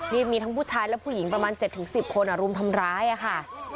นี่มีทั้งผู้ชายและผู้หญิงประมาณ๗๑๐คนรุมทำร้ายค่ะ